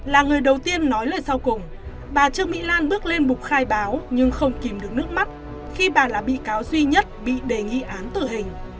là người đầu tiên nói lời sau cùng bà trương mỹ lan bước lên bục khai báo nhưng không kìm được nước mắt khi bà là bị cáo duy nhất bị đề nghị án tử hình